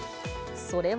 それは。